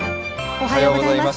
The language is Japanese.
おはようございます。